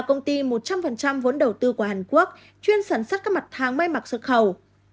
công ty một trăm linh vốn đầu tư của hàn quốc chuyên sản xuất các mặt hàng may mặc xuất khẩu